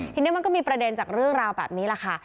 ทีนี้มันก็มีประเด็นจากเรื่องราวแบบนี้แหละค่ะ